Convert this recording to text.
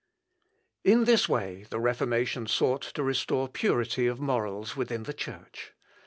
In this way the Reformation sought to restore purity of morals within the Church.